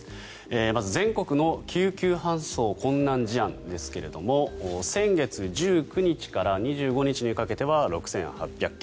まず全国の救急搬送困難事案ですが先月１９日から２５日にかけては６８００件。